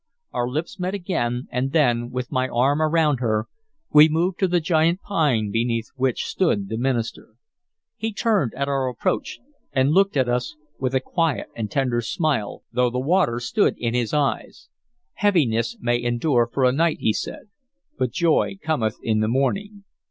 Our lips met again, and then, with my arm around her, we moved to the giant pine beneath which stood the minister. He turned at our approach, and looked at us with a quiet and tender smile, though the water stood in his eyes. "'Heaviness may endure for a night,'" he said, "'but joy cometh in the morning.'